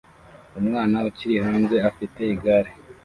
Umwana ukina hanze afite igare